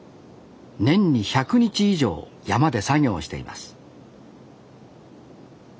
年に１００日以上山で作業しています